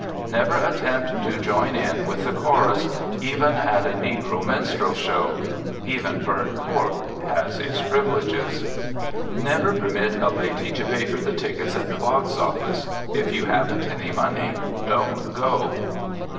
Never attempt to join in with the chorus, even at a negro minstrel show. Even burnt cork has its privileges. Never permit a lady to pay for the tickets at the box office. If you havn't any money, don't go.